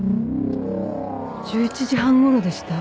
１１時半頃でした。